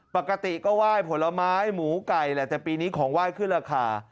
ปกติก็ไหว้ผลไม้หมูไก่แหละแต่ปีนี้ของไหว้ขึ้นราคา